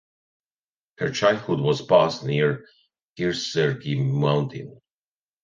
Her childhood was passed near Kearsarge Mountain.